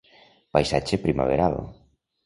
Paisatge primaveral.